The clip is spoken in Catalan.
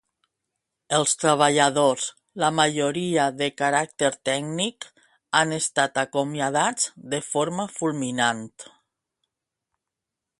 Els treballadors, la majoria de caràcter tècnic, han estat acomiadats de forma fulminant.